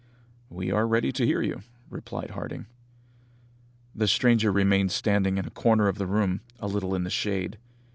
"We are ready to hear you," replied Harding. The stranger remained standing in a corner of the room, a little in the shade.